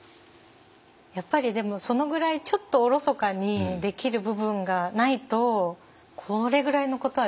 やっぱりでもそのぐらいちょっとおろそかにできる部分がないとこれぐらいのことはできない。